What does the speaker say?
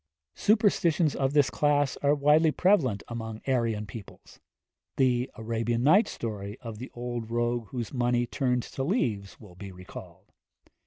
Superstitions of this class are widely prevalent among Aryan peoples. The 'Arabian Nights' story of the old rogue whose money turned to leaves will be recalled.